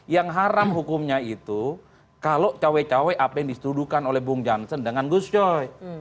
yang haram hukumnya itu kalau cawe cawe apa yang disetujukan oleh bung jansen dengan gus coy